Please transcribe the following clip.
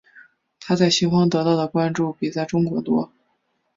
她在西方得到的关注比在中国多。